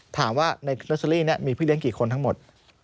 ถามว่าในโรตเตอรี่นี้มีพี่เลี้ยกี่คนทั้งหมด